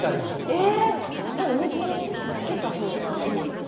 水につけた方がいいんですか？